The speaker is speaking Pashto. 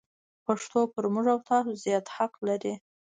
پښتو پر موږ او تاسو زیات حق لري.